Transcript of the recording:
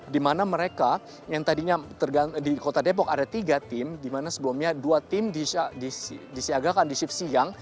dimana mereka yang tadinya di kota depok ada tiga tim dimana sebelumnya dua tim disiagakan di shift siang